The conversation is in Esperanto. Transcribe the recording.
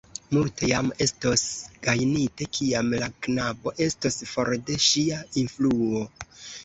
Multe jam estos gajnite, kiam la knabo estos for de ŝia influo.